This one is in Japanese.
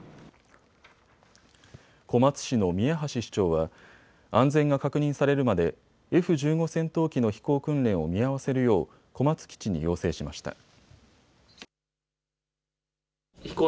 小松市の宮橋市長は安全が確認されるまでＦ１５戦闘機の飛行訓練を見合わせるよう小松基地に要請しました。